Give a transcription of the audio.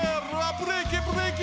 ブレーキブレーキ！